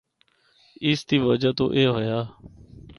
اس دی وجہ تو اے ہویا۔